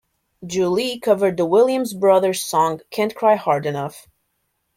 Julie covered The Williams Brothers song "Can't Cry Hard Enough".